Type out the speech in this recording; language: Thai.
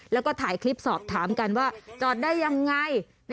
แล้วก็ถ่ายคลิปสอบถามกันว่าจอดได้ยังไง